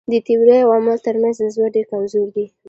د تیورۍ او عمل تر منځ نسبت ډېر کمزوری دی.